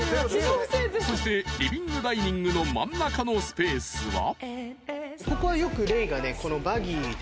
［そしてリビング・ダイニングの真ん中のスペースは］